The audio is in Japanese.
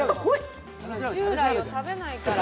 従来を食べないから。